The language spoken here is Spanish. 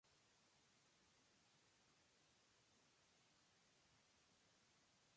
Mi impresión personal es que todo esto fue dirigido por Tato y Novoa.